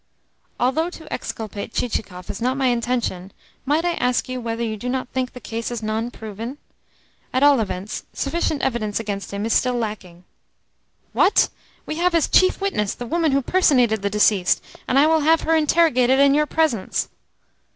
"Although to exculpate Chichikov is not my intention, might I ask you whether you do not think the case is non proven? At all events, sufficient evidence against him is still lacking." "What? We have as chief witness the woman who personated the deceased, and I will have her interrogated in your presence."